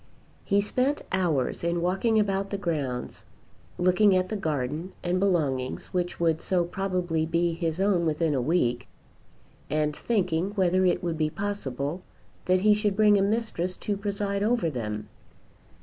He spent hours in walking about the grounds, looking at the garden and belongings which would so probably be his own within a week, and thinking whether it would be possible that he should bring a mistress to preside over them.